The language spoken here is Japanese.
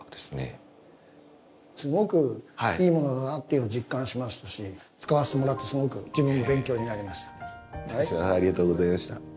すごくいいものだなっていうのを実感しましたし使わせてもらってすごく自分も勉強になりました。